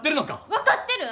分かってる！